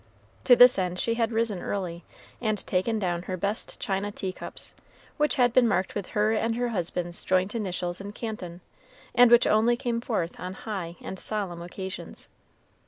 To this end she had risen early, and taken down her best china tea cups, which had been marked with her and her husband's joint initials in Canton, and which only came forth on high and solemn occasions.